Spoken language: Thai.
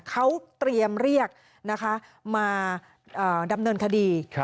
เขาเตรียมเรียกนะคะมาดำเนินคดี